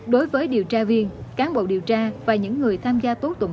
đối với điều tra viên cán bộ điều tra và những người tạm giam